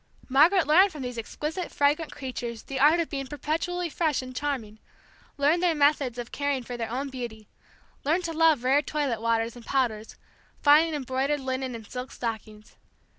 Margaret learned from these exquisite, fragrant creatures the art of being perpetually fresh and charming, learned their methods of caring for their own beauty, learned to love rare toilet waters and powders, fine embroidered linen and silk stockings.